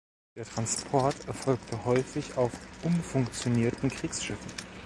Der Transport erfolgte häufig auf umfunktionierten Kriegsschiffen.